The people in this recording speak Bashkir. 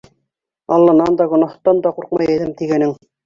Алланан да, гонаһтан да ҡурҡмай әҙәм тигәнең.